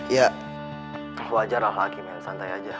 ya wajar lah lagi men santai aja